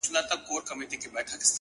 صادق چلند درناوی ژوروي؛